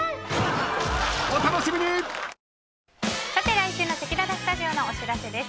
来週のせきららスタジオのお知らせです。